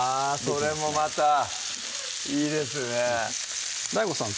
それもまたいいですねＤＡＩＧＯさん